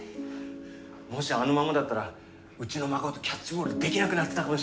もしあのままだったらうちの孫とキャッチボールできなくなってたかもしれない。